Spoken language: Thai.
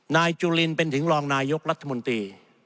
นายจุลินเป็นถึงรองนายกรัฐมนตรี